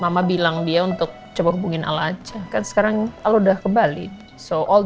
mama bilang dia untuk coba hubungin alatnya kan sekarang kalau udah kembali soal